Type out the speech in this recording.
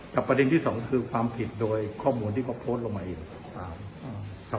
แต่ประเด็นที่๒คือความผิดโดยข้อมูลที่เขาโพฆลงมาเอง